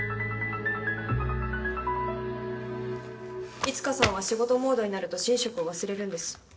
いつかさんは仕事モードになると寝食を忘れるんです。